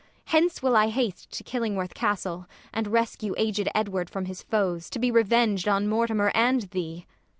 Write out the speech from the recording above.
Hence will I haste to Killingworth Castle, And rescue aged Edward from his foes, To be reveng'd on Mortimer and thee.